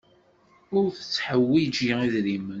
Ur tetteḥwiji idrimen.